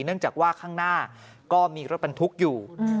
เนื่องจากว่าข้างหน้าก็มีรถบรรทุกอยู่